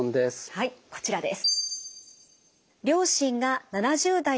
はいこちらです。